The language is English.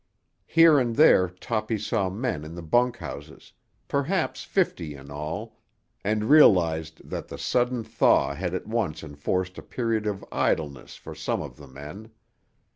Here and there Toppy saw men in the bunkhouses, perhaps fifty in all, and realised that the sudden thaw had at once enforced a period of idleness for some of the men.